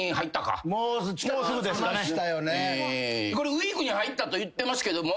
ウイークに入ったと言ってますけども。